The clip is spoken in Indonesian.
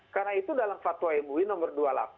karena itu dalam fatwa emui nomor dua puluh delapan